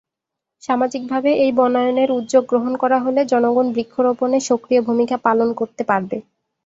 সামাজিকভাবে এই বনায়নের উদ্যোগ গ্রহণ করা হলে জনগণ বৃক্ষরোপনে সক্রিয় ভুমিকা পালন করতে পারবে।